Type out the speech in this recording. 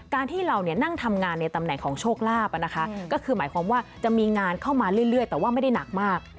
ที่เรานั่งทำงานในตำแหน่งของโชคลาภนะคะก็คือหมายความว่าจะมีงานเข้ามาเรื่อยแต่ว่าไม่ได้หนักมาก